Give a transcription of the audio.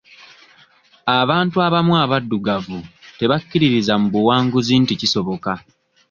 Abantu abamu abaddugavu tebakkiririza mu buwanguzi nti kisoboka.